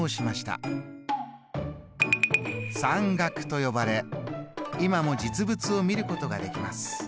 算額と呼ばれ今も実物を見ることができます。